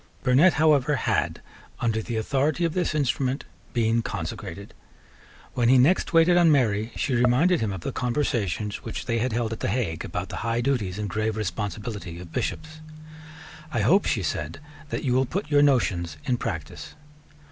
Burnet however had, under the authority of this instrument, been consecrated. When he next waited on Mary, she reminded him of the conversations which they had held at the Hague about the high duties and grave responsibility of Bishops. "I hope," she said, "that you will put your notions in practice."